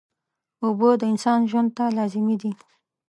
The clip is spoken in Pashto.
اوبه د انسان ژوند ته لازمي دي